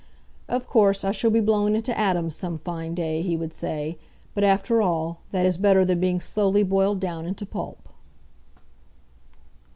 "Of course, I shall be blown into atoms some fine day," he would say; "but after all, that is better than being slowly boiled down into pulp."